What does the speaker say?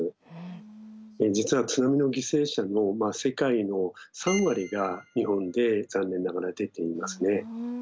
実は津波の犠牲者も世界の３割が日本で残念ながら出ていますね。